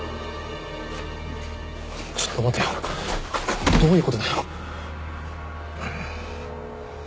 ちょっと待てよどういうことだよ？